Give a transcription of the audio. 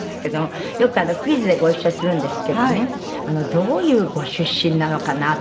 「よくクイズでご一緒するんですけどねどういうご出身なのかなとね